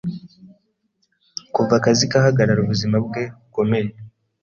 kuva akazi kahagarara ubuzima bwe bukomeye